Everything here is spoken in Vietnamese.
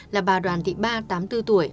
là bà đoàn thị ba tám mươi bốn tuổi